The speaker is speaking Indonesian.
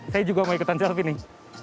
saya juga mau ikutan serfi nih